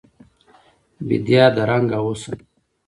بیدیا د رنګ او حسن